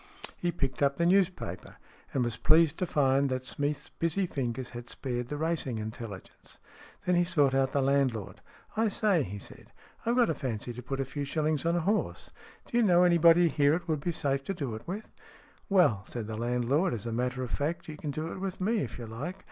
He picked up the newspaper, and was pleased to find that Smeath's busy fingers had spared the racing intelligence. Then he sought out the landlord. " I say," he said, " I've got a fancy to put a few shillings on a horse. Do you know anybody here it would be safe to do it with ?"" Well," said the landlord, " as a matter of fact you can do it with me, if you like.